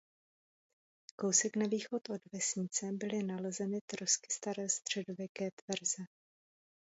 Kousek na východ od vesnice byly nalezeny trosky staré středověké tvrze.